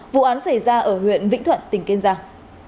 vụ án xảy ra ở huyện vĩnh thuận tỉnh kiên giang